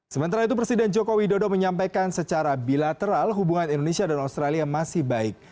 sementara itu presiden joko widodo menyampaikan secara bilateral hubungan indonesia dan australia masih baik